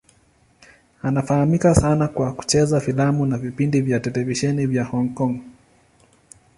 Anafahamika sana kwa kucheza filamu na vipindi vya televisheni vya Hong Kong.